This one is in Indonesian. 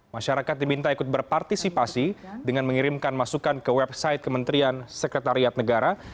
masyarakat diminta ikut berpartisipasi dengan mengirimkan masukan ke website kementerian sekretariat negara